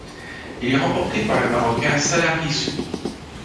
Elle est remportée par le Marocain Salah Hissou.